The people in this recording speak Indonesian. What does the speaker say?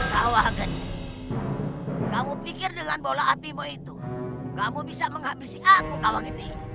kawageni kamu pikir dengan bola apimu itu kamu bisa menghabisi aku kawageni